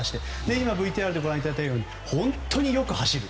今ＶＴＲでご覧いただいたように本当によく走る。